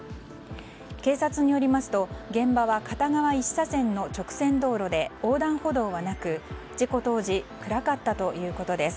警察によりますと現場は片側１車線の直線道路で横断歩道はなく、事故当時暗かったということです。